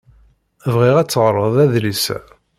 Bɣiɣ ad teɣreḍ adlis-a.